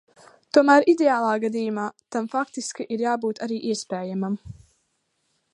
Tomēr ideālā gadījumā tam faktiski ir jābūt arī iespējamam.